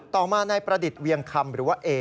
ต่อมานายประดิษฐ์เวียงคำหรือว่าเอ